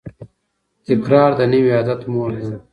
تکرار د نوي عادت مور ده.